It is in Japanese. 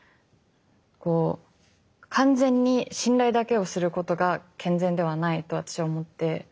こう完全に信頼だけをすることが健全ではないと私は思って。